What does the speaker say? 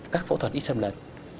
các phẫu thuật ít sâm lên